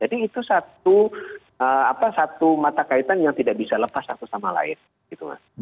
jadi itu satu mata kaitan yang tidak bisa lepas satu sama lain